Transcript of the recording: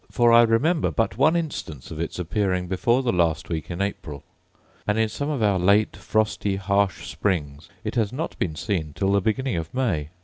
For I remember but one instance of its appearing before the last week in April: and in some of our late frosty, harsh springs, it has not been seen till the beginning of May.